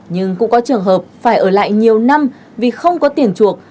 nhưng cũng có trường hợp phải ở lại nhiều năm vì không có tiền chuộc